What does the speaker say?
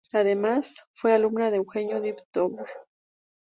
Además, fue alumna de Eugenio Dittborn.